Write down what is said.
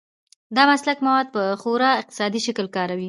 دا مسلک مواد په خورا اقتصادي شکل کاروي.